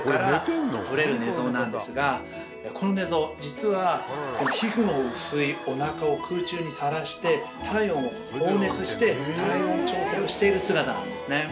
この寝相実は皮膚の薄いおなかを空中にさらして体温を放熱して体温調整をしている姿なんですね。